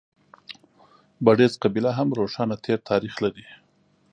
بړېڅ قبیله هم روښانه تېر تاریخ لري.